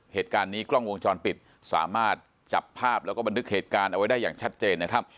เหตุการณ์นี้กล้องวงจรปิดสามารถจับภาพแล้วก็บันทึกเหตุการณ์เอาไว้ได้อย่างชัดเจนนะครับ